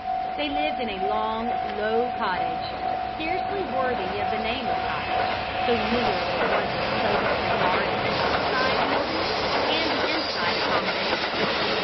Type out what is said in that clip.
They lived in a long, low cottage scarcely worthy of the name of cottage so miserable was it both as regards the outside building and the inside accommodation.